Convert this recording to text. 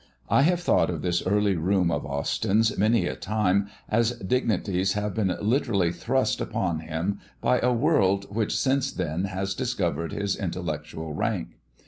I have thought of this early home of Austyn's many a time as dignities have been literally thrust upon him by a world which since then has discovered his intellectual rank.